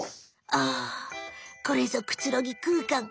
ああこれぞくつろぎくうかん。